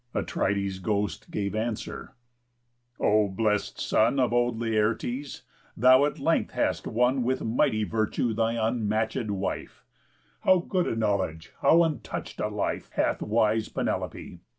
Atrides' ghost gave answer: "O bless'd son Of old Laertes, thou at length hast won With mighty virtue thy unmatchéd wife. How good a knowledge, how untouch'd a life, Hath wise Penelope!